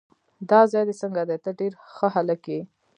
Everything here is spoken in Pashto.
دا ځای دې څنګه دی؟ ته ډېر ښه هلک یې.